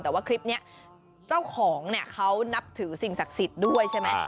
แต่ว่าคลิปนี้เจ้าของเนี่ยเขานับถือสิ่งศักดิ์สิทธิ์ด้วยใช่ไหม